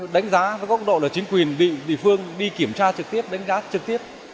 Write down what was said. đánh giá với góc độ là chính quyền địa phương đi kiểm tra trực tiếp đánh giá trực tiếp